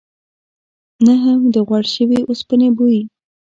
نه هم د غوړ شوي اوسپنې بوی.